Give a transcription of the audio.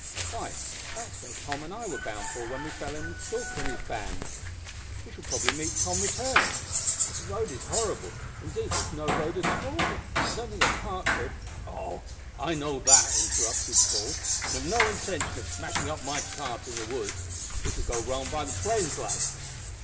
"Why, that's where Tom and I were bound for when we fell in with Stalker and his band! We shall probably meet Tom returning. But the road is horrible indeed there is no road at all, and I don't think a cart could " "Oh! I know that" interrupted Paul, "and have no intention of smashing up my cart in the woods. We shall go round by the plains, lad.